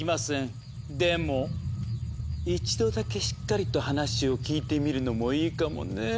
でも一度だけしっかりと話を聞いてみるのもいいかもねぇ。